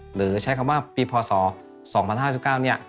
หรือใช้คำว่าปีพศ๒๐๕๙เนี่ย